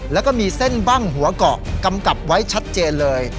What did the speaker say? แล้วก็มีเส้นบ้างหัวเกาะกำกับไว้ชัดเจนเลย